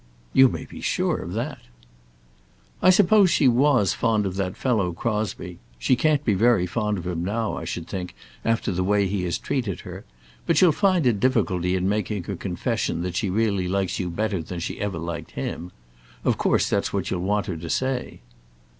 "You may be sure of that." "I suppose she was fond of that fellow, Crosbie. She can't be very fond of him now, I should think, after the way he has treated her; but she'll find a difficulty in making her confession that she really likes you better than she ever liked him. Of course that's what you'll want her to say."